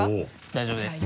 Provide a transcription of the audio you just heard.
大丈夫です。